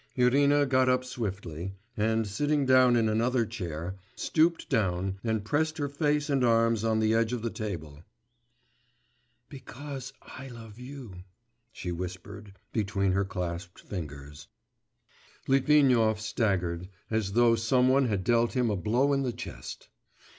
Irina got up swiftly, and, sitting down in another chair, stooped down and pressed her face and arms on the edge of the table. 'Because I love you ...' she whispered between her clasped fingers. Litvinov staggered, as though some one had dealt him a blow in the chest.